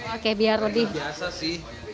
oke biar lebih